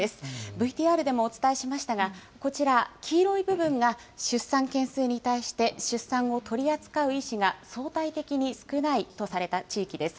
ＶＴＲでもお伝えしましたが、こちら、黄色い部分が出産件数に対して、出産を取り扱う医師が相対的に少ないとされた地域です。